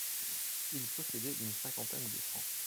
Il possédait une cinquantaine de francs.